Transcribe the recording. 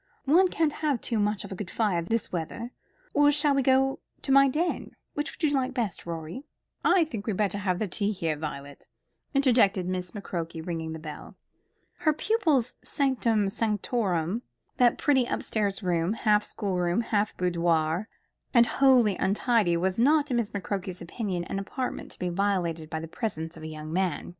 One can't have too much of a good fire this weather. Or shall we go to my den? Which would you like best, Rorie?" "I think we had better have tea here, Violet," interjected Miss McCroke, ringing the bell. Her pupil's sanctum sanctorum that pretty up stairs room, half schoolroom, half boudoir, and wholly untidy was not, in Miss McCroke's opinion, an apartment to be violated by the presence of a young man.